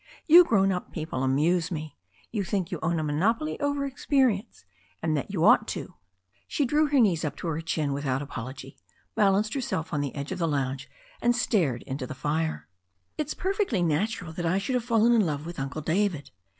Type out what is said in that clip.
You grown up people amuse me. You think you own a monopoly over experience, and that you ought to." She drew her knees up to her chin without apology, bal anced herself on the edge of the lounge, and stared into the £re. THE STORY OF A NEW ZEALAND RIVER 233 "It's perfectly natural that I should have fallen in love with Uncle David.